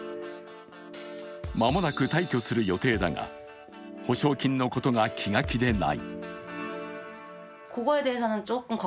間もなく退去する予定だが、保証金のことが気が気でない。